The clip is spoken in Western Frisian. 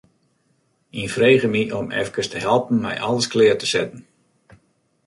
Ien frege my om efkes te helpen mei alles klear te setten.